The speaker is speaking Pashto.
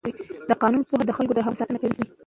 د قانون پوهه د خلکو د حقونو ساتنه کوي.